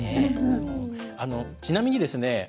ちなみにですね